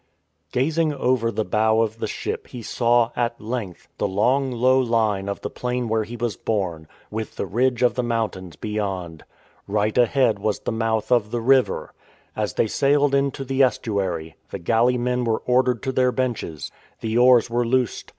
Gazing over the bow of the ship he saw, at length, the long low line of the plain where he was born, with the ridge of the mountains beyond. Right ahead was the mouth of the river. As they sailed into the estuary, the galley men were ordered to their benches. The oars were loosed.